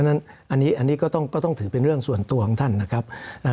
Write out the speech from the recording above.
อันนี้ก็ต้องถือเป็นเรื่องส่วนตัวของท่านนะครับ